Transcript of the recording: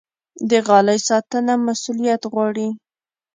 د غالۍ ساتنه مسوولیت غواړي.